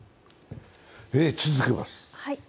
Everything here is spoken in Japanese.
続けます。